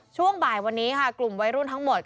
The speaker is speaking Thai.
ช่วงบ่ายวันนี้ค่ะกลุ่มวัยรุ่นทั้งหมด